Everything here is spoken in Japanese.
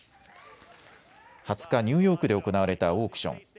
２０日、ニューヨークで行われたオークション。